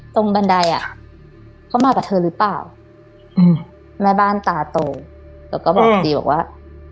บันไดอ่ะเขามากับเธอหรือเปล่าอืมแม่บ้านตาโตแล้วก็บอกดีบอกว่า